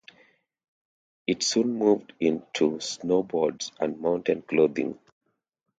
It soon moved into snowboards and mountain clothing.